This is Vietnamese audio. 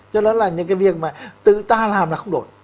cho nên là những cái việc mà tự ta làm là không đổi